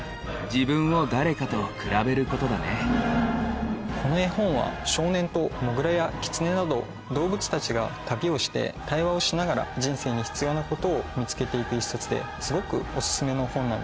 続いてはこの絵本は少年とモグラやキツネなど動物たちが旅をして対話をしながら人生に必要なことを見つけて行く１冊ですごくお薦めの本なんです。